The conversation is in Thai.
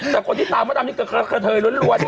แต่คนที่ตามมาดำนี่เกิดเผยร้อนเนี่ย